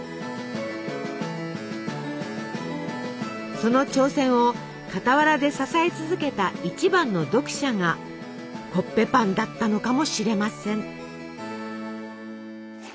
その挑戦を傍らで支え続けた一番の読者がコッペパンだったのかもしれません。